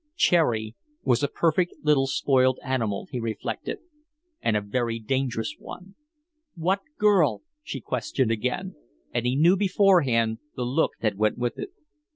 Cherry was a perfect little spoiled animal, he reflected, and a very dangerous one. "What girl?" she questioned again, and he knew beforehand the look that went with it.